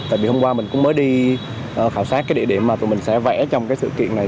tại vì hôm qua mình cũng mới đi khảo sát cái địa điểm mà tụi mình sẽ vẽ trong cái sự kiện này